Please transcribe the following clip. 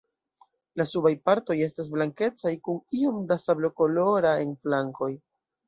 La subaj partoj estas blankecaj kun iom da sablokolora en flankoj.